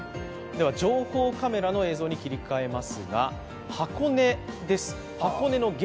情報カメラの映像に切り替えますが、箱根です。